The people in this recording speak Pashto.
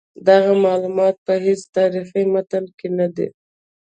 دغه معلومات په هیڅ تاریخي متن کې نه دي.